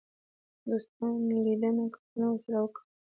دوستانه لیدنه کتنه ورسره وکړي.